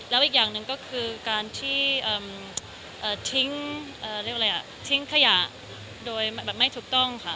แล้วอีกอย่างหนึ่งก็คือการที่ทิ้งขยะโดยแบบไม่ถูกต้องค่ะ